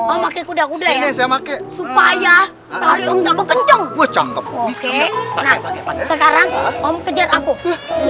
oke nah sekarang om kejar aku